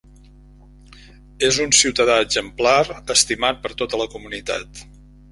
És un ciutadà exemplar, estimat per tota la comunitat.